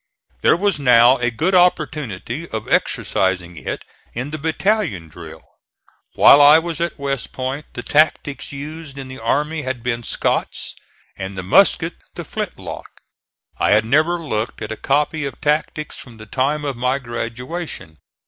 There was now a good opportunity of exercising it in the battalion drill. While I was at West Point the tactics used in the army had been Scott's and the musket the flint lock. I had never looked at a copy of tactics from the time of my graduation.